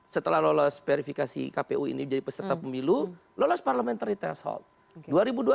setelah lolos verifikasi kpu ini menjadi peserta pemilu lolos parliamentary threshold